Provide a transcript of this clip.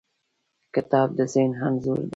کتاب د ذهن انځور دی.